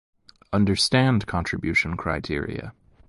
Understand contribution criteria.